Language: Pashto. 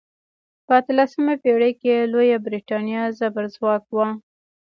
په اتلسمه پیړۍ کې لویه بریتانیا زبرځواک وه.